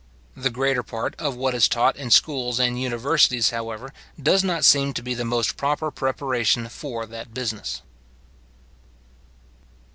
The greater part of what is taught in schools and universities, however, does not seem to be the most proper preparation for that business.